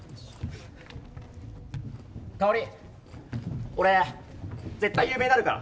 かおり、俺絶対有名になるから。